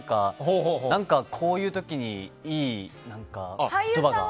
何か、こういう時にいい言葉が。